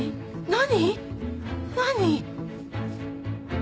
何？